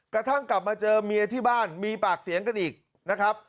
กระทั่งกลับมาเจอเมียที่บ้านมีปากเสียงกันอีกนะครับ